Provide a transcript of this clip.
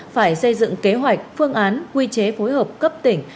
phải xây dựng kế hoạch phương án quy chế phối hợp cấp tỉnh